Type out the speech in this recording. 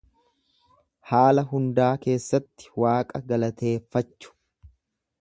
Haala hundaa keessatti Waaqa galateeffachu